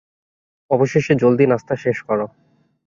অবশেষে, জলদি নাস্তা শেষ কর।